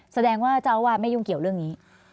แสดงว่าเจ้าอาวาสไม่ยุ่งเกี่ยวเรื่องนี้